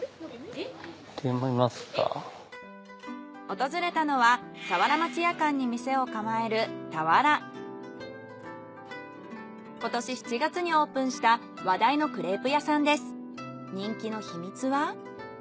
訪れたのはさわら町屋館に店を構える今年７月にオープンした話題のクレープ屋さんです。